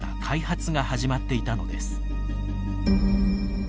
大規模な開発が始まっていたのです。